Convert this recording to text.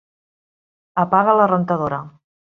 Apaga la rentadora.